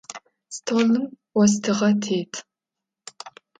Столым остыгъэ тет.